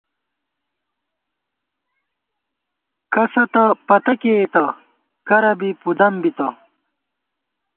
کسہ تہ پتہ کېئېتہ ، کرہ بی پُدَم بِتہ